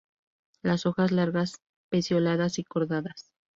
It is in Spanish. Las hojas largas, pecioladas y cordadas.